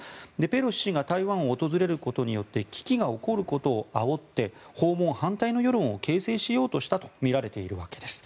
ペロシ氏が台湾を訪れることによって危機が起こることをあおって訪問反対の世論を形成しようとしたとみられているわけです。